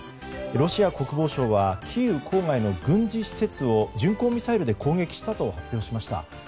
ロシア国防省はキーウ郊外の軍事施設を巡航ミサイルで攻撃したと発表しました。